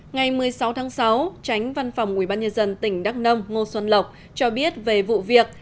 ngày một mươi sáu tháng sáu tránh văn phòng ubnd tỉnh đắk nông ngô xuân lộc cho biết về vụ việc